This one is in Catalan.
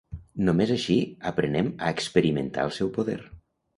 Només així aprenem a experimentar el seu poder.